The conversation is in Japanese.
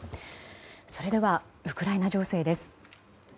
それでは、ウクライナ情勢です。